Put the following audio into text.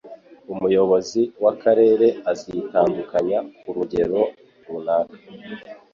Umuyobozi w'akarere azitandukanya ku rugero runaka.